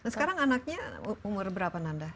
sekarang anaknya umur berapa nanda